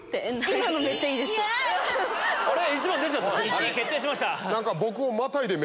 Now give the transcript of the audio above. １位決定しました。